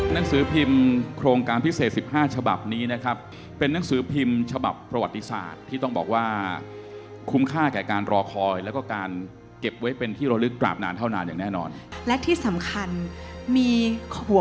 หนังสือพิมพ์โครงการพิเศษสิบห้าฉบับนี้นะครับเป็นนังสือพิมพ์ฉบับประวัติศาสตร์ที่ต้องบอกว่าคุ้มค่าแก่การรอคอยแล้วก็การเก็บไว้เป็นที่ระลึกกราบนานเท่านานอย่างแน่นอนและที่สำคัญมี